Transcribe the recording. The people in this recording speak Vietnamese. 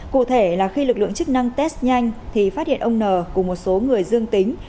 cụ thể là khi lực lượng chức năng test nhanh thì phát hiện ông n cùng một số người dương tính